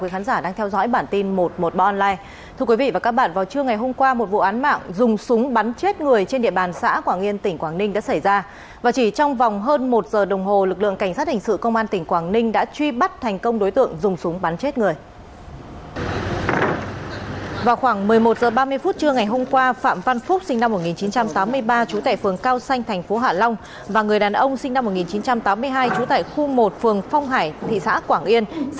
hãy đăng ký kênh để ủng hộ kênh của chúng mình nhé